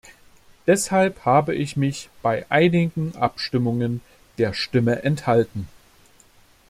Deshalb habe ich mich bei einigen Abstimmungen der Stimme enthalten.